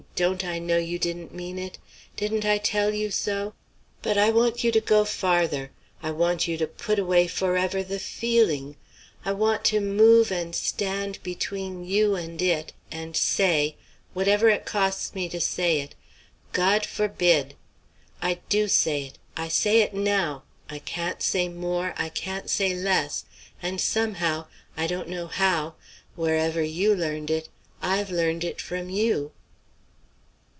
don't I know you didn't mean it? Didn't I tell you so? But I want you to go farther. I want you to put away forever the feeling. I want to move and stand between you and it, and say whatever it costs me to say it 'God forbid!' I do say it; I say it now. I can't say more; I can't say less; and somehow, I don't know how wherever you learned it I've learned it from you."